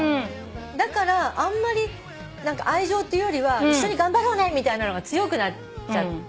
だからあんまり何か愛情っていうよりは一緒に頑張ろうねみたいなのが強くなっちゃって。